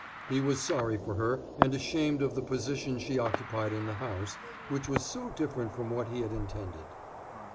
He was sorry for her, and ashamed of the position she occupied in the house, which was so different from what he had intended.